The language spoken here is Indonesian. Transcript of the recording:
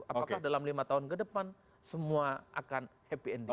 apakah dalam lima tahun ke depan semua akan happy ending